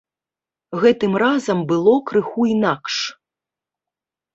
Гэтым разам было крыху інакш.